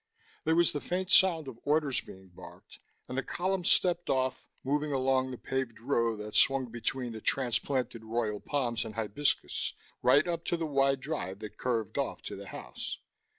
There was the faint sound of orders being barked, and the column stepped off, moving along the paved road that swung between the transplanted royal palms and hibiscus, right up to the wide drive that curved off to the house.